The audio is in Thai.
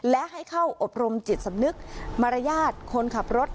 และให้เข้าอบรมจิตสำนึกมารยาทคนขับรถ